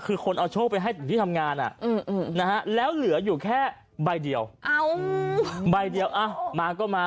คือคนเอาโชคไปให้ถึงที่ทำงานแล้วเหลืออยู่แค่ใบเดียวใบเดียวมาก็มา